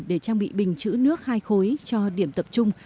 để trang bị bình chữ nước hai khối cho điểm tập trung